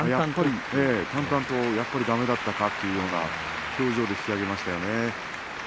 淡々と、やっぱりだめだったかというような表情に見えましたね。